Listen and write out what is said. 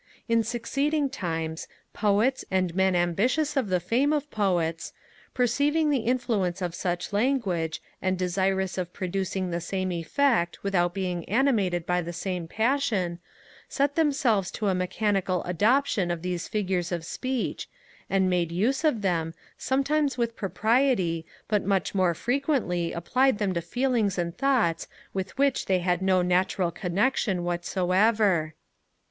In succeeding times, Poets, and Men ambitious of the fame of Poets, perceiving the influence of such language, and desirous of producing the same effect without being animated by the same passion, set themselves to a mechanical adoption of these figures of speech, and made use of them, sometimes with propriety, but much more frequently applied them to feelings and thoughts with which they had no natural connexion whatsoever.